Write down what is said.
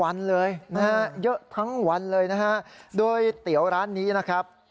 เห็นก็แม่บอกว่าคนเยอะตึงวันเลยโดยเตี๋ยวร้านนี้นะครับ